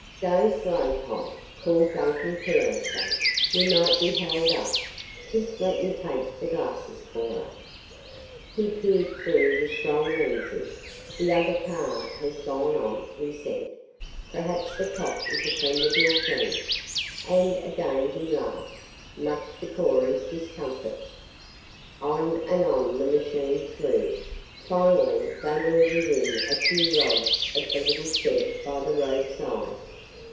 "Go slow, Tom," called Duncan carelessly. "We might be held up. Just let me take the glasses, Cora." He peered through the strong lenses. "The other car has gone on," he said. "Perhaps the cop is a friend of your friend's"; and again he laughed, much to Cora's discomfort. On and on the machine flew. Finally they were within a few rods of the little shed by the roadside.